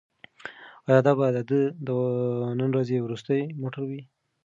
ایا دا به د ده د نن ورځې وروستی موټر وي؟